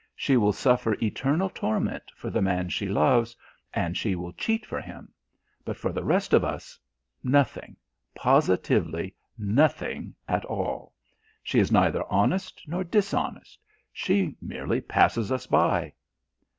She will suffer eternal torment for the man she loves, and she will cheat for him. But for the rest of us nothing, positively nothing at all; she is neither honest nor dishonest, she merely passes us by."